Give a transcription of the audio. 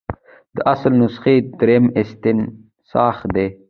د اصل نسخې دریم استنساخ دی.